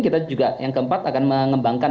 kita juga yang keempat akan mengembangkan